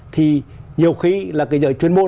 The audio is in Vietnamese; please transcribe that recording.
thì nhiều khi là cái giới chuyên môn